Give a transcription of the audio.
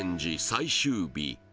最終日